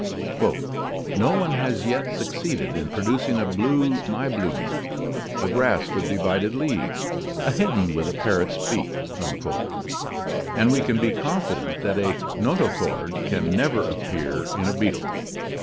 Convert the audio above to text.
"No one has yet succeeded in producing a blue Maiblume, a grass with divided leaves, a hen with a parrot's beak." And we can be con fident that a notochord can never appear in a beetle.